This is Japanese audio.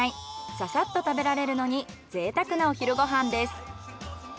ささっと食べられるのに贅沢なお昼ご飯です。